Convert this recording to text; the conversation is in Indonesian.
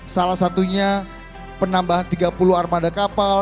salah satunya penambahan tiga puluh armada kapal